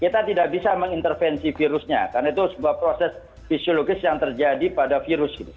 kita tidak bisa mengintervensi virusnya karena itu sebuah proses fisiologis yang terjadi pada virus gitu